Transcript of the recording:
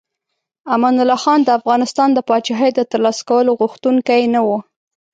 امان الله خان د افغانستان د پاچاهۍ د ترلاسه کولو غوښتونکی نه و.